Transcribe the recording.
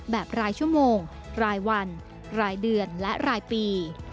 แบบรายชั่วโมงรายวันรายเดือนและรายปี